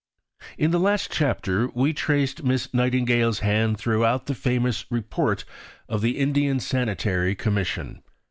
In the last chapter we traced Miss Nightingale's hand throughout the famous Report of the Indian Sanitary Commission.